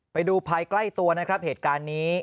ไปดูภายใกล้ตัวนะครับเหตุการณ์นี้